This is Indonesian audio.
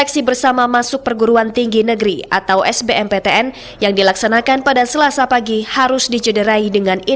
sementara pelaku saat diperiksa membantah jika dirinya joki